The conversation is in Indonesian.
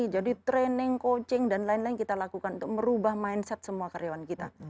jadi training coaching dan lain lain kita lakukan untuk merubah mindset semua karyawan kita